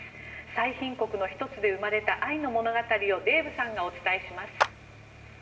最貧国の１つで生まれた愛の物語をデーブさんがお伝えします。